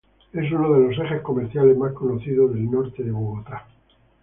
Es uno de los ejes comerciales más conocidos del norte de Bogotá.